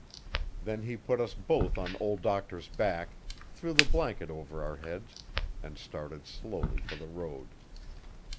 Then he put us both on Old Doctor's back, threw the blanket over our heads, and started slowly for the road.